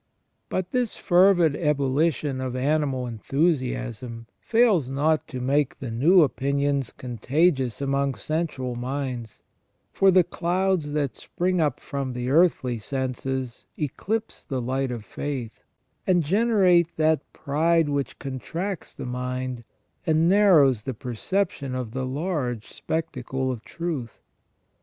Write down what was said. But this fervid ebullition of animal enthusiasm fails not to make the new opinions contagious among sensual minds ; for the clouds that spring up from the earthly senses eclipse the light of faith, and generate that pride which contracts the mind, and narrows the perception of the large spectacle of truth.